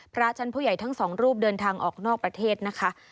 พระชั้นผู้ใหญ่ทั้งสองรูปเดินทางออกนอกประเทศนะคะ